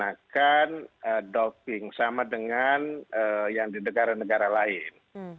akan doping sama dengan yang di negara negara lain